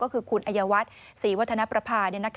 ก็คือคุณอัยวัฒน์ศรีวัฒนประภา